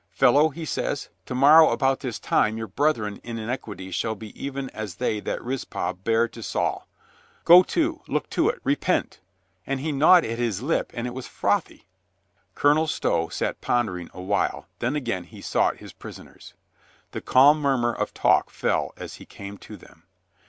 'Fellow,' he says, 'to morrow about this time your brethren in iniquity shall be even as they that Rizpah bare to Saul. Go to. Look to it. Repent!' and he gnawed at his lip and it was frothy." Colonel Stow sat pondering a while, then again he sought his prisoners. The calm murmur of talk fell as he came to them.